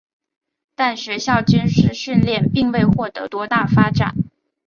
但学校军事训练并未获得多大发展。